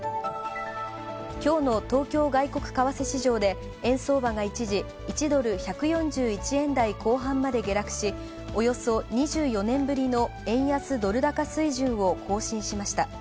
きょうの東京外国為替市場で、円相場が一時１ドル１４１円台後半まで下落し、およそ２４年ぶりの円安ドル高水準を更新しました。